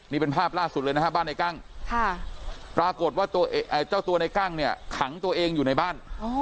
นี่เป็นภาพล่าสุดเลยนะฮะบ้านในกั้งปรากฏว่าเจ้าตัวในกั้งเนี่ยขังตัวเองอยู่ในบ้าน